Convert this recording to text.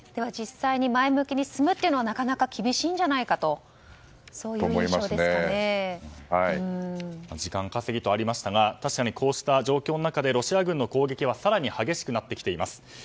実際に前向きに進むというのはなかなか厳しいんじゃないか時間稼ぎとありましたが確かにこうした状況の中でロシア軍の攻撃は更に激しくなってきています。